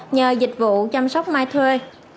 nhờ dịch vụ chăm sóc mai thuê